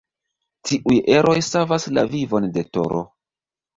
Tiuj eroj savas la vivon de Toro.